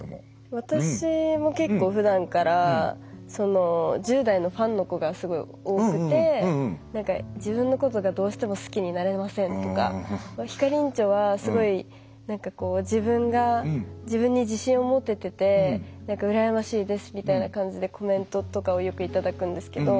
私も結構ふだんから１０代のファンの子がすごい多くて自分のことがどうしても好きになれませんとかひかりんちょは、すごい自分に自信を持ててて羨ましいですみたいな感じでコメントとかをよくいただくんですけど。